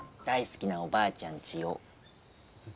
大好きなおばあちゃんちを。